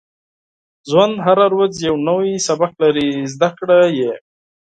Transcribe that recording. • ژوند هره ورځ یو نوی سبق لري، زده کړه یې.